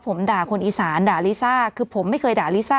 ผมด่าคนอีสานด่าลิซ่าคือผมไม่เคยด่าลิซ่า